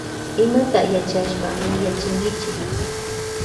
Imata yachashpa willachinkichi.